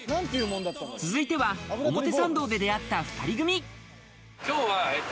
続いては、表参道で出会った２人組。